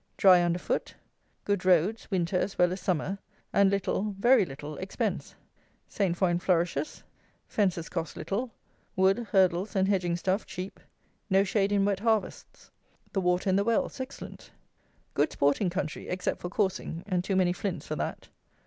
Dry under foot. Good roads, winter as well as summer, and little, very little, expense. Saint foin flourishes. Fences cost little. Wood, hurdles, and hedging stuff cheap. No shade in wet harvests. The water in the wells excellent. Good sporting country, except for coursing, and too many flints for that.